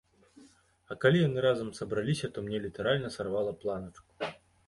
А калі яны разам сабраліся, то мне літаральна сарвала планачку.